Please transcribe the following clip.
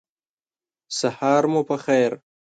سهار مو په خیر !